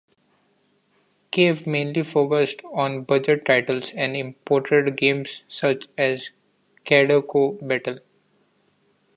Crave mainly focused on budget titles, and imported games such as Kaido Battle.